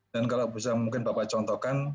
dan kalau bisa mungkin bapak contohkan